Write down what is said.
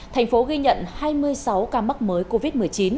thành phố ghi nhận hai mươi sáu ca mắc mới covid một mươi chín